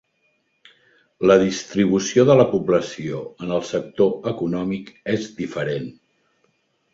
La distribució de la població en el sector econòmic és diferent.